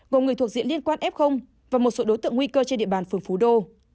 gồm người thuộc diện liên quan f và một số đối tượng nguy cơ trên địa bàn phường phú đô